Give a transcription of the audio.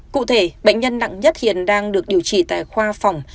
cụ thể bệnh nhân nặng nhất hiện đang được điều trị tại khoa phòng